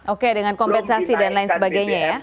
oke dengan kompensasi dan lain sebagainya ya